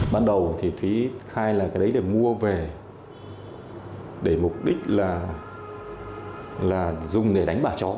ban đầu thì thúy khai là cái đấy để mua về để mục đích là dùng để đánh bà chó